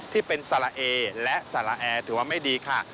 ที่เป็นสาระเอและสาระแอร์ถือว่าไม่ดีค่ะ